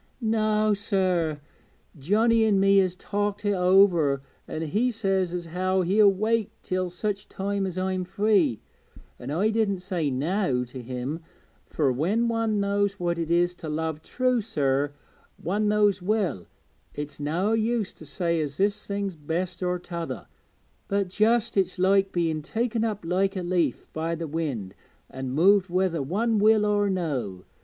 'Noä, sir. Johnnie an' me has talked it over, an' he says as how he'll wait till such time as I'm free. An' I didn't say "no" to him, fur when one knows what it is to love true, sir, one knows well it's noä use to say as this thing's best or t'other, but just it's like being taken up like a leaf by the wind an' moved whether one will or no.